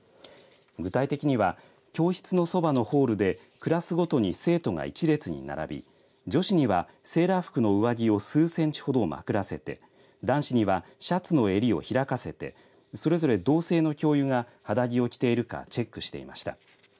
具体的には教室のそばのホールでクラスごとに生徒が１列に並び女子にはセーラー服の上着を数センチほどまくせて男子にはシャツの襟を開かせてそれぞれ、同性の教諭が肌着を着ているかチェックしていました。